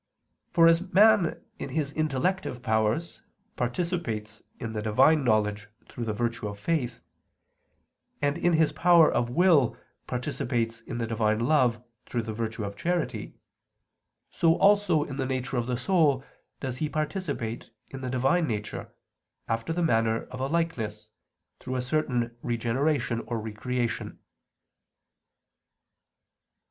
For as man in his intellective powers participates in the Divine knowledge through the virtue of faith, and in his power of will participates in the Divine love through the virtue of charity, so also in the nature of the soul does he participate in the Divine Nature, after the manner of a likeness, through a certain regeneration or re creation.